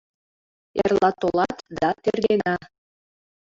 — Эрла толат да тергена.